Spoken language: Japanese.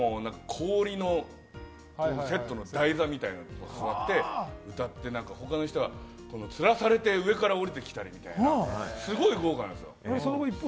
氷のセットの台座みたいなのに座って歌って、他の人は吊らされて上から降りてきたりみたいな、すごい豪華なんですよ。